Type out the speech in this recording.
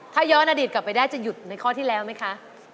ถ้าย้อนอดีตกลับไปได้จะหยุดในข้อที่แล้วไหมคะ